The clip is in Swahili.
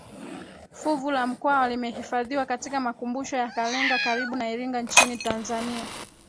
Fuvu la Mkwawa limehifadhiwa katika Makumbusho ya Kalenga karibu na Iringa nchini Tanzania